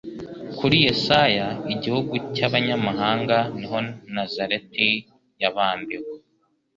Kuri Yesaya igihugu cyabanyamahanga, niho Nazareti yabambiwe